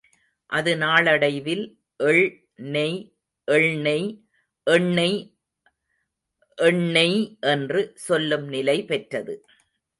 அது நாளடைவில், எள்நெய் எள்நெய் எண்ணெய் எண்ணெய் என்று சொல்லும் நிலை பெற்றது.